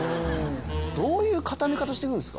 どういう固め方して行くんすか？